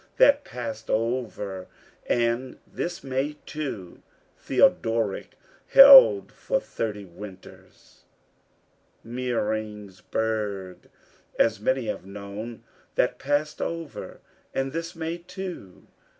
That pass'd over, and this may, too! Theodoric held for thirty winters Mæring's burg, as many have known. That pass'd over, and this may, too!